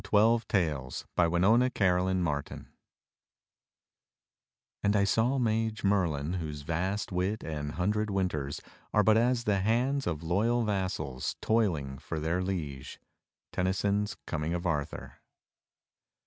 Hopkins. XI CmAHLC'^ Stor^ of Uiing ^rtl)ur "And I saw mage Merlin, whose vast wit And hundred winters are but as the hands Of Loyal vassals toiling for their liege." Tennyson's "Coming of Arthur."